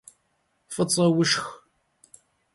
F'ıç'e vuşşx!